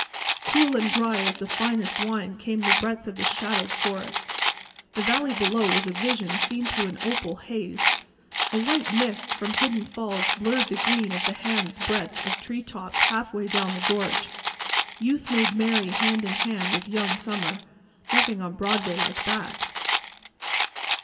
Cool and dry as the finest wine came the breath of the shadowed forest. The valley below was a vision seen through an opal haze. A white mist from hidden falls blurred the green of a hand's breadth of tree tops half way down the gorge. Youth made merry hand in hand with young summer. Nothing on Broadway like that.